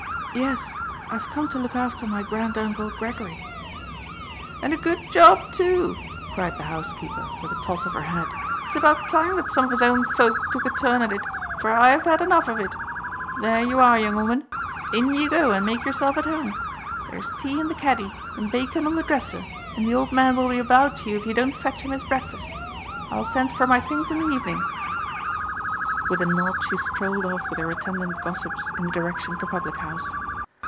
"Yes, I've come to look after my Granduncle Gregory." "And a good job too," cried the housekeeper, with a toss of her head. "It's about time that some of his own folk took a turn at it, for I've had enough of it. There you are, young woman! In you go and make yourself at home. There's tea in the caddy and bacon on the dresser, and the old man will be about you if you don't fetch him his breakfast. I'll send for my things in the evenin'." With a nod she strolled off with her attendant gossips in the direction of the public house.